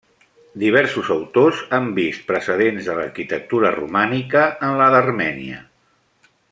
Diversos autors han vist precedents de l'arquitectura romànica en la d'Armènia.